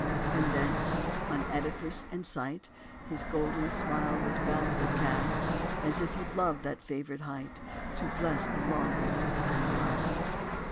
And thence, on edifice and site, His golden smile was backward cast, As if he loved that favored height To bless the longest and the last.